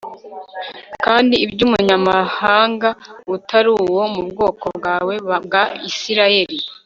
kandi iby'umunyamahanga, utari uwo mu bwoko bwawe bwa isirayeli